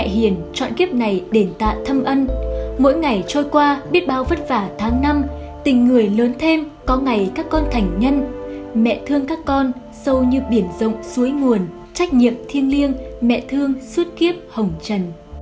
hãy đăng ký kênh để ủng hộ kênh của chúng mình nhé